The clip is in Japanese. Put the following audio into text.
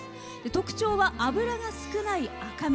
特徴は脂が少ない赤身。